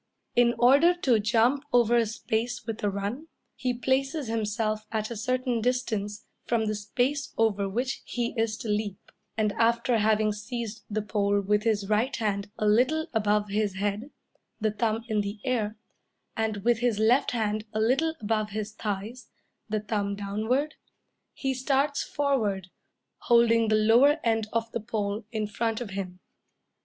In order to jump over a space with a run, he places himself at a certain distance from the space over which he is to leap, and after having seized the pole with his right hand a little above his head (the thumb in the air), and with his left hand a little above his thighs (the thumb downward), he starts forward, holding the lower end of the pole in front of him.